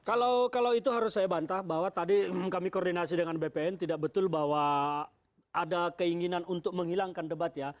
kalau itu harus saya bantah bahwa tadi kami koordinasi dengan bpn tidak betul bahwa ada keinginan untuk menghilangkan debat ya